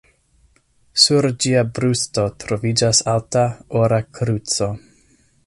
Sur ĝia brusto troviĝas alta, ora kruco.